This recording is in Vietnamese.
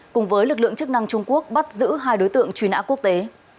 cùng với lực lượng chức năng trung quốc bắt giữ hai đối tượng truy nã quốc tế